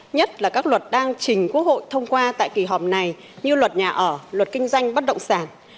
nhất là các luật đang trình quốc hội thông qua tại kỳ họp này như luật nhà ở luật kinh doanh bất động sản